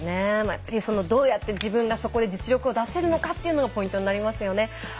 やっぱりどうやって自分がそこで実力を出せるのかがポイントになりますよね。